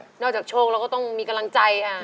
นอกจากโชคเราก็ต้องมีกำลังใจ